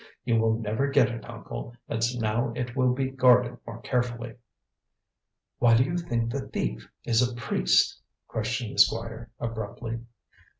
You will never get it, uncle, as now it will be guarded more carefully." "Why do you think the thief is a priest?" questioned the Squire abruptly.